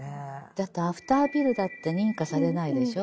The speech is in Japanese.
だってアフターピルだって認可されないでしょう。